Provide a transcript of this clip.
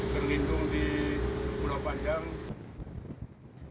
terlindung di pulau panjang